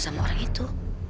kenal sama orang itu